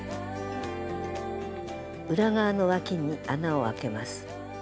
裏側のわきに穴をあけます。